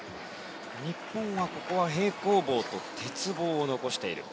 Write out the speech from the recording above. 日本は平行棒と鉄棒を残しています。